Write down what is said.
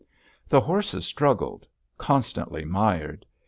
The horses struggled, constantly mired.